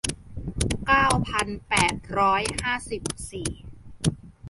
เก้าพันแปดร้อยห้าสิบสี่